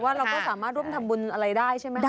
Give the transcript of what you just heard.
เราก็สามารถร่วมทำบุญอะไรได้ใช่ไหม